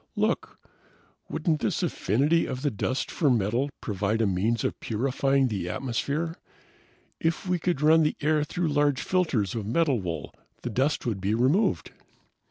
"Look wouldn't this affinity of the dust for metal provide a means of purifying the atmosphere? If we could run the air through large filters of metal wool, the dust would be removed!"